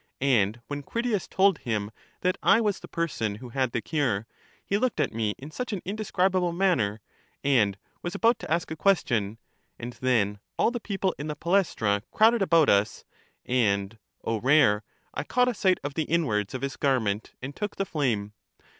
And when Critias told him that I was the person who had the cure, he looked at me in such an indescribable manner, and was about to ask a ques tion; and then all the people in the palaestra crowded about us, and, O rarel I caught a sight of the inwards of his garment, and took the flame.